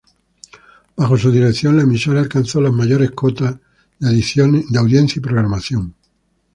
Bajo su dirección, la emisora alcanzó las mayores cotas de audiencia y programación.